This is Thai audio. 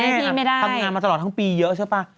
เมื่อที่ดูแม่ค่ะมัก็ทำงานมาตลอดทั้งปีเยอะ